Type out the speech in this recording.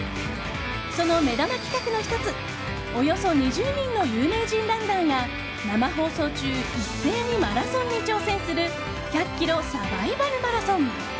その目玉企画の１つおよそ２０人の有名人ランナーが生放送中一斉にマラソンに挑戦する１００ｋｍサバイバルマラソン。